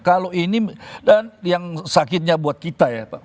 kalau ini dan yang sakitnya buat kita ya pak